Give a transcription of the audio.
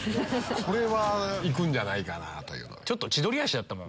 これはいくんじゃないかなぁという。